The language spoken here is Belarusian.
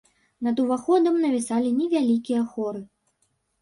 Над уваходам навісалі невялікія хоры.